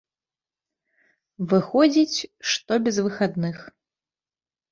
Выходзіць, што без выхадных.